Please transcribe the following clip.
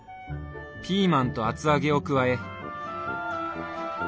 ピーマンと厚揚げを加え。